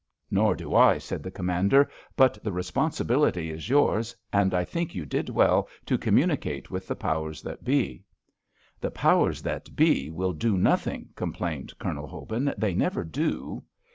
"Nor do I," said the Commander, "but the responsibility is yours, and I think you did well to communicate with the powers that be." "The powers that be will do nothing," complained Colonel Hobin; "they never do."